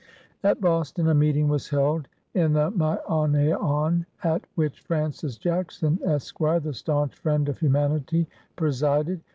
At Boston, a meeting was held in the Meionaon, at which Francis Jackson, Esq., the staunch friend of humanity, presided.